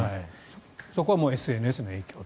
そこはもうＳＮＳの影響と。